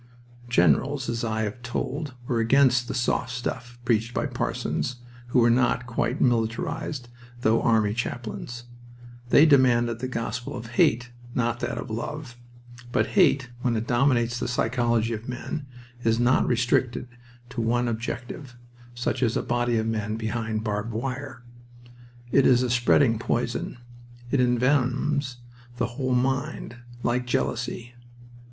Generals, as I have told, were against the "soft stuff" preached by parsons, who were not quite militarized, though army chaplains. They demanded the gospel of hate, not that of love. But hate, when it dominates the psychology of men, is not restricted to one objective, such as a body of men behind barbed wire. It is a spreading poison. It envenoms the whole mind. Like jealousy.